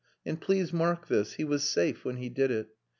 And please mark this he was safe when he did it.